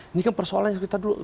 ini kan persoalannya